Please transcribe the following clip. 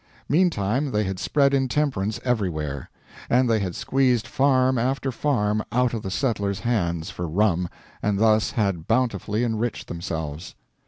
Meantime, they had spread intemperance everywhere. And they had squeezed farm after farm out of the settlers hands for rum, and thus had bountifully enriched themselves.